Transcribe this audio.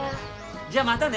じゃあまたね。